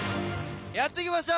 やって来ました。